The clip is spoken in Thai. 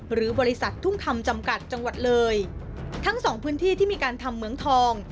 หรือบริษัททุ่งคำจำกัดจังหวัดเลยทั้งสองพื้นที่ที่มีการทำเหมืองทอง